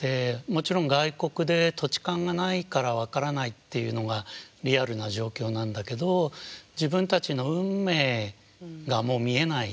もちろん外国で土地勘がないから分からないっていうのがリアルな状況なんだけど自分たちの運命がもう見えない。